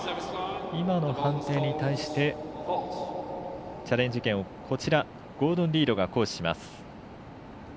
今の判定に対してチャレンジ権をゴードン・リードが行使します。